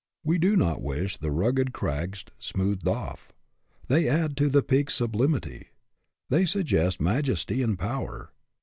We do not wish the rugged crags smoothed off. They add to the peak's sublimity. They suggest majesty and power.